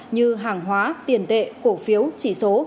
như hàng hóa tiền tệ cổ phiếu chỉ số